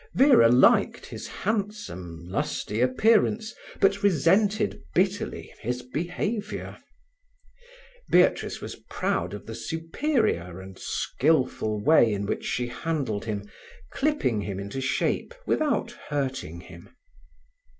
Vera liked his handsome, lusty appearance, but resented bitterly his behaviour. Beatrice was proud of the superior and skilful way in which she handled him, clipping him into shape without hurting him.